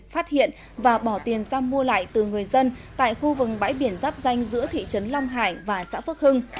phát hiện và bỏ tiền ra mua lại từ người dân tại khu vực bãi biển giáp danh giữa thị trấn long hải và xã phước hưng